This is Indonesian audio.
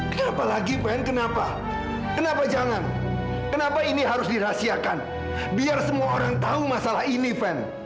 kenapa lagi fan kenapa kenapa jangan kenapa ini harus dirahasiakan biar semua orang tahu masalah ini van